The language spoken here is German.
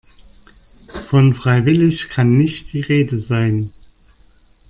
Von freiwillig kann nicht die Rede sein.